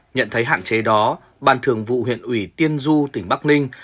nhận thấy hạn chế đó ban thường vụ huyện ủy tiên du tỉnh bắc ninh